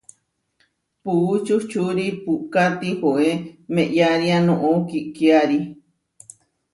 Puú čuhčúri puʼka tihoé meʼyaria noʼó kiʼkiári.